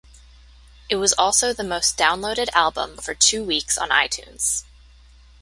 It was also the most downloaded album for two weeks on iTunes.